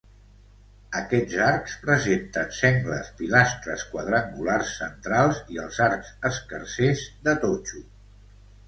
Aquests arcs presenten sengles pilastres quadrangulars centrals i els arcs escarsers de totxo.